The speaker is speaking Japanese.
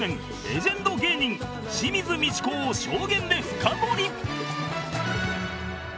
レジェンド芸人清水ミチコを証言で深掘り